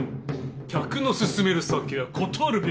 客の勧める酒は断るべからず。